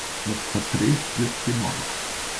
Das Porträt wird gemalt.